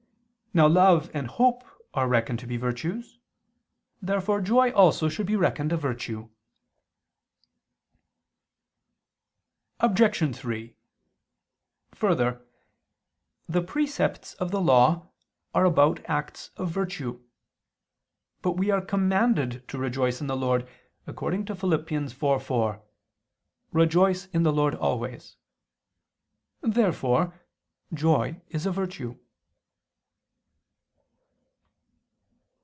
Now love and hope are reckoned to be virtues. Therefore joy also should be reckoned a virtue. Obj. 3: Further, the precepts of the Law are about acts of virtue. But we are commanded to rejoice in the Lord, according to Phil. 4:4: "Rejoice in the Lord always." Therefore joy is a virtue.